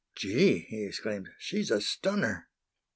"Gee!" he exclaimed, "she's a stunner!"